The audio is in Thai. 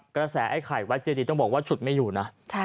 กระแสไอ้ไข่วัดเจดีต้องบอกว่าฉุดไม่อยู่นะ